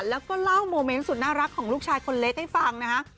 แล้วก็เล่าโมเมนต์สุดน่ารักของลูกชายคนเล็กให้ฟังนะคะ